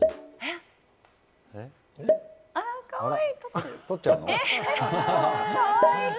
かわいい！